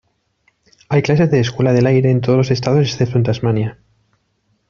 Hay clases de "escuelas del aire" en todos los estados excepto en Tasmania.